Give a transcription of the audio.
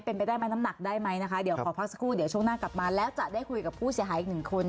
เป็นไปได้ไหมน้ำหนักได้ไหมนะคะเดี๋ยวขอพักสักครู่เดี๋ยวช่วงหน้ากลับมาแล้วจะได้คุยกับผู้เสียหายอีกหนึ่งคน